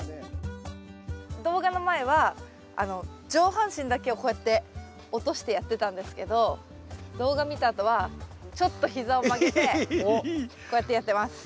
動画の前は上半身だけをこうやって落としてやってたんですけど動画見たあとはちょっと膝を曲げてこうやってやってます。